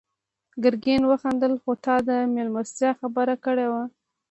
ګرګين وخندل: خو تا د مېلمستيا خبره کړې وه.